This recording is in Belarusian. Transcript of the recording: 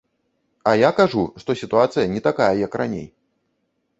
А я кажу, што сітуацыя не такая, як раней.